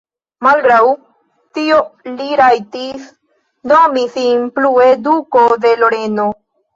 Malgraŭ tio li rajtis nomi sin plue Duko de Loreno.